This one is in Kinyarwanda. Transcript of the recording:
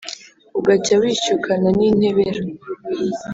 bugacya wishyukana n'intebera.